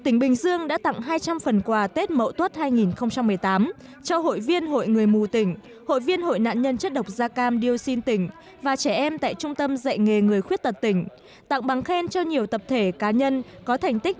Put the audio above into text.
nó nằm thẳng hai phần ba năm trước thôi